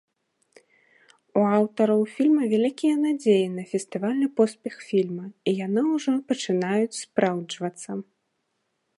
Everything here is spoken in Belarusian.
У аўтараў фільма вялікія надзеі на фестывальны поспех фільма, і яны ўжо пачынаюць спраўджвацца.